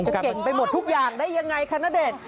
เก่งไปหมดทุกอย่างได้ยังไงคะณเดชน์